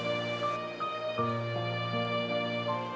โทรหาลูกชายโทรหาลูกชาย